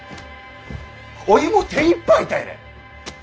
おいも手いっぱいたいね。